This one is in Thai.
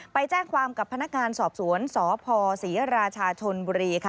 ไปแจ้งความกับพนักงานสอบสวนสพศรีราชาชนบุรีค่ะ